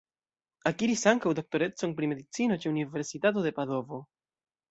Akiris ankaŭ doktorecon pri medicino ĉe Universitato de Padovo.